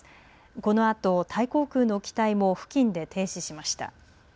このあとタイ航空の機体も付近で停止しました。